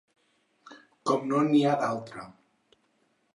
Com no n'hi ha d'altre.